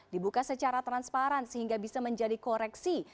dibuka secara transparan sehingga bisa menjadi koreksi